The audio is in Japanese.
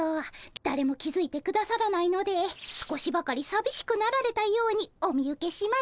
だれも気付いてくださらないので少しばかりさびしくなられたようにお見受けしますが。